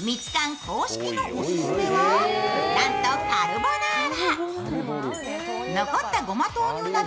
ミツカン公式のオススメは、なんとカルボナーラ。